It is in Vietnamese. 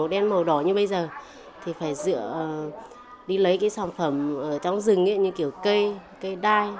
đi lấy cái sản phẩm ở trong rừng như kiểu cây cây đai